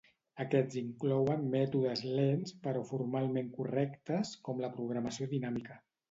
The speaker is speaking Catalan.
Aquests inclouen mètodes lents però formalment correctes com la programació dinàmica.